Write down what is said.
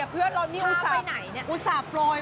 คุยได้เลย